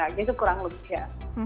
jadi itu kurang lebih ya